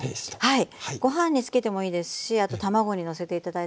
はい。